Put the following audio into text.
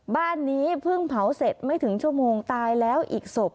บ้านนี้เพิ่งเผาเสร็จไม่ถึงชั่วโมงตายแล้วอีกศพ